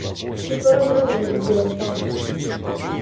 Дітвора зразу захотіла спати.